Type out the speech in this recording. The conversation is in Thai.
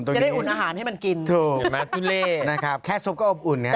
จะได้อุ่นอาหารให้มันกินถูกนะครับแค่ซุปก็อบอุ่นนะครับ